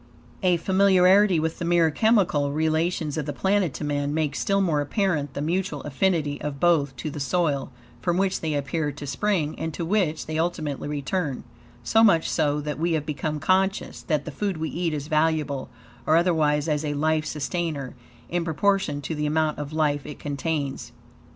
A familiarity with the mere chemical relations of the planet to man, makes still more apparent, the mutual affinity of both to the soil, from which they appear to spring, and to which, they ultimately return; so much so that, we have become conscious, that, the food we eat is valuable or otherwise as a life sustainer, in proportion to the amount of life it contains.